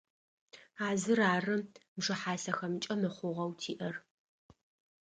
А зыр ары бжыхьасэхэмкӏэ мыхъугъэу тиӏэр.